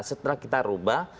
setelah kita rubah